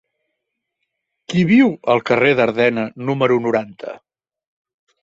Qui viu al carrer d'Ardena número noranta?